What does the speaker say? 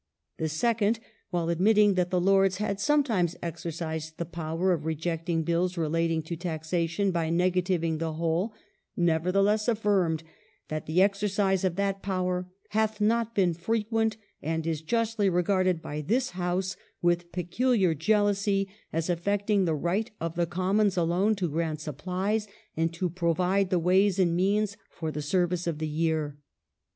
The second, while admitting that the Lords had sometimes exercised the power of rejecting Bills relating to taxation by negativing the whole, nevertheless affirmed that the exercise of that power "hath not been frequent, and is justly regarded by this House with peculiar jealousy as affecting the right of the Commons alone to grant supplies, and to provide the ways and means for the service of the year